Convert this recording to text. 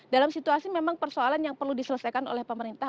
dalam situasi memang persoalan yang perlu diselesaikan oleh pemerintah